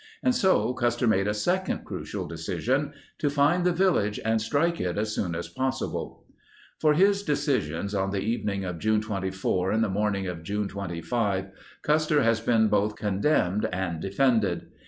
And so Custer made a second crucial decision — to find the village and strike it as soon as possible. For his decisions on the evening of June 24 and the morning of June 25, Custer has been both condemned and defended.